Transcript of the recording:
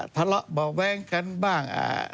ทะเลาะเบาะแว้งกันบ้าง